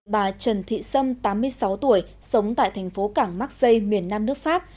bà trần thị sâm tám mươi sáu tuổi sống tại thành phố cảng mark xây miền nam nước pháp